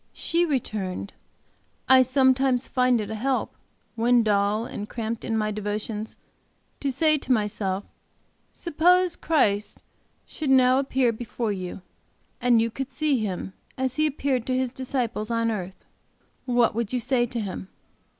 She returned, 'I sometimes find it a help, when dull and cramped in my devotions, to say to myself: Suppose Christ should now appear before you, and you could see Him as He appeared to His disciples on earth, what would you say to Him?